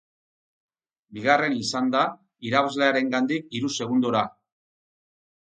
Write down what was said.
Bigarren izan da irabazlearengandik hiru segundora.